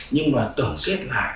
nhưng mà tổng kết lại